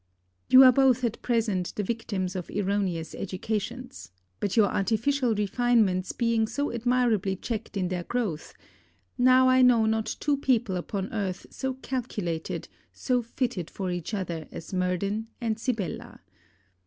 You are both at present the victims of erroneous educations, but your artificial refinements being so admirably checked in their growth, now I know not two people upon earth so calculated, so fitted for each other as Murden and Sibella.